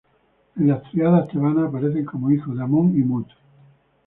En la tríada tebana aparece como hijo de Amón y Mut.